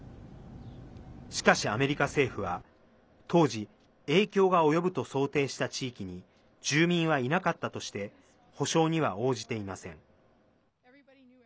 しかし、アメリカ政府は当時影響が及ぶと想定した地域に住民はいなかったとして補償には応じていません。